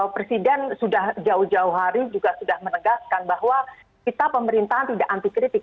presiden sudah jauh jauh hari juga sudah menegaskan bahwa kita pemerintahan tidak anti kritik